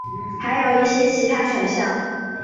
还有一些其他选项。